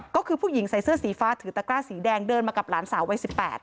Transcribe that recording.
ก็คือผู้หญิงใส่เสื้อสีฟ้าถือตะกร้าสีแดงเดินมากับหลานสาววัย๑๘